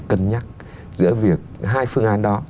cân nhắc giữa việc hai phương án đó